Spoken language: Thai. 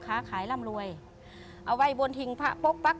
ค้าขายร่ำรวยเอาไว้บนทิงพระปกปั๊ก